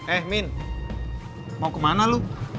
eh min mau kemana lu